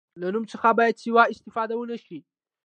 له نوم څخه باید سوء استفاده ونه شي.